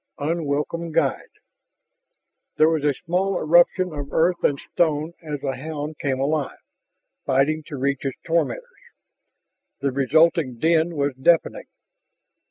7. UNWELCOME GUIDE There was a small eruption of earth and stone as the hound came alive, fighting to reach its tormentors. The resulting din was deafening.